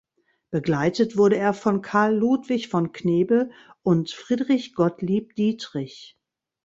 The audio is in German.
Begleitet wurde er von Karl Ludwig von Knebel und Friedrich Gottlieb Dietrich.